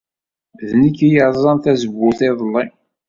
D nekk ay yerẓan tazewwut iḍelli.